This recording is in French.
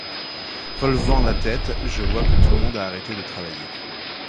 Relevant la tête, je vois que tout le monde a arrêté de travailler.